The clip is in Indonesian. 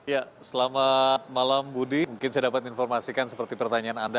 ya selamat malam budi mungkin saya dapat informasikan seperti pertanyaan anda